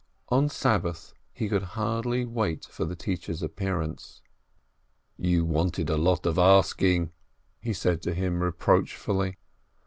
On Sabbath he could hardly wait for the teacher's appearance. "You wanted a lot of asking," he said to him reproachfully.